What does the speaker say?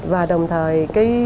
và đồng thời